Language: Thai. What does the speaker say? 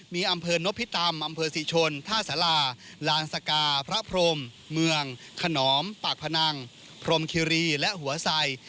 มีอำเภอนพิตำอำเภอศรีชนท่าสาราลานสกาพระพรมเมืองขนอมปากพนังพรมคิรีและหัวไส